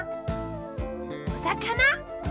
おさかな？